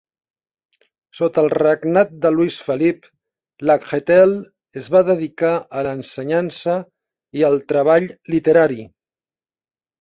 Sota al regnat de Luis Felip, Lacretelle es va dedicar a l"ensenyança i el treball literari.